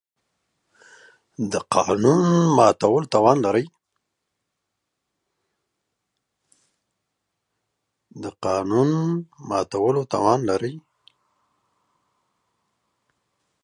د قانون ماتول تاوان لري.